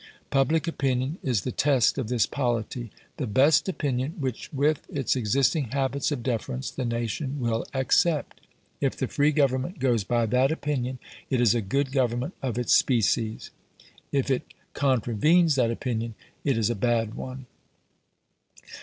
Public opinion is the test of this polity; the best opinion which with its existing habits of deference, the nation will accept: if the free government goes by that opinion, it is a good government of its species; if it contravenes that opinion, it is a bad one.